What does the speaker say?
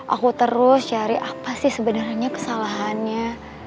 aku terus cari apa sih sebenarnya kesalahannya